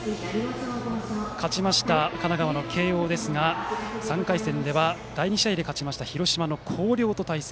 勝ちました神奈川の慶応は３回戦で第２試合で勝った広島の広陵と対戦。